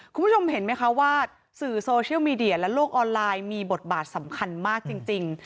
คุณผู้ชมเห็นไหมคะว่าสื่อโซเชียลมีเดียและโลกออนไลน์มีบทบาทสำคัญมากจริง